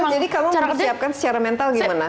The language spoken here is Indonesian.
jadi kamu menyiapkan secara mental gimana